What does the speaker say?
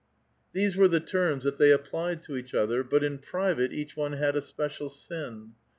^ These were the terms that they applied to each other ; but in private each one had a special sin.